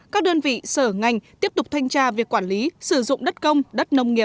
các đơn vị sở ngành tiếp tục thanh tra việc quản lý sử dụng đất công đất nông nghiệp